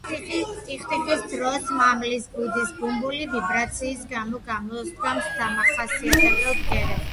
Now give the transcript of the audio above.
ტიხტიხის დროს მამლის კუდის ბუმბული ვიბრაციის გამო გამოსცემს დამახასიათებელ ბგერებს.